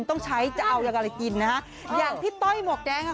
ต้องใช้จะเอายังไงกินนะฮะอย่างพี่ต้อยหมวกแดงค่ะ